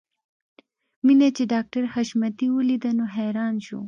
مينه چې ډاکټر حشمتي وليده نو حیران شو